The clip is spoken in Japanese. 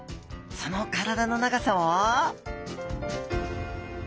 その体の長さは？